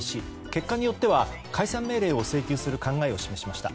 結果によっては解散命令を請求する考えを示しました。